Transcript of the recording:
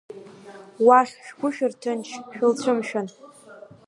Уахь шәгәы шәырҭынч, шәылцәымшәан.